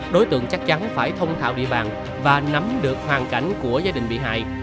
đối tượng chắc chắn phải thông thạo địa bàn và nắm được hoàn cảnh của gia đình bị hại